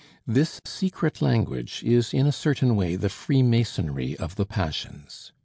This secret language is in a certain way the freemasonry of the passions.